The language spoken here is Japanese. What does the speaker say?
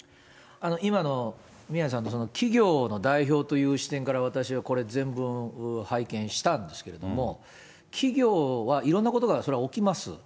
今の宮根さんの企業の代表という視点から、私はこれ、全文拝見したんですけども、企業はいろんなことが、それは起きます。